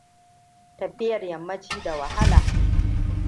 Tafiya yammaci da wahala.